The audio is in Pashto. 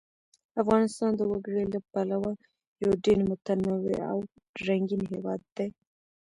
افغانستان د وګړي له پلوه یو ډېر متنوع او رنګین هېواد دی.